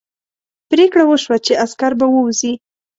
پرېکړه وشوه چې عسکر به ووځي.